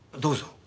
どうぞ。